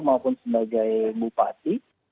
maupun sebagai bupati